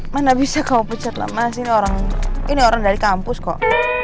mana bisa kamu pecat lah mas ini orang dari kampus kok